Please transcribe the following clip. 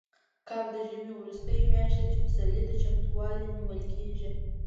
کب د ژمي وروستۍ میاشت ده، چې پسرلي ته چمتووالی نیول کېږي.